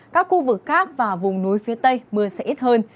các khu vực khác và vùng núi phía tây mưa sẽ ít hơn